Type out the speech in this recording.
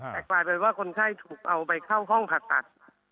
แต่กลายเป็นว่าคนไข้ถูกเอาไปเข้าห้องผ่าตัด